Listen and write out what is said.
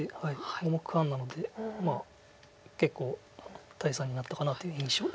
５目半なので結構大差になったかなという印象です。